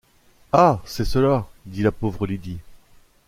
Ah! c’est cela ! dit la pauvre Lydie.